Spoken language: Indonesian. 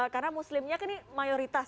karena muslimnya kan ini mayoritas